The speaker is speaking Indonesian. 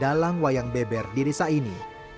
dalang wayang beber di desa ini